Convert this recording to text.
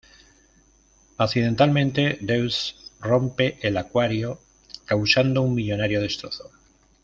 Accidentalmente, Deuce rompe el acuario, causando un millonario destrozo.